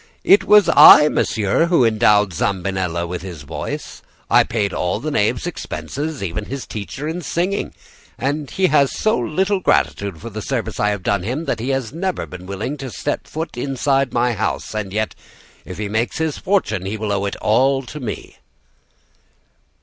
It was I, monsieur, who endowed Zambinella with his voice. I paid all the knave's expenses, even his teacher in singing. And he has so little gratitude for the service I have done him that he has never been willing to step inside my house. And yet, if he makes his fortune, he will owe it all to me.